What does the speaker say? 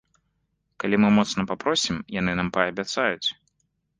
Калі мы моцна папросім, яны нам паабяцаюць.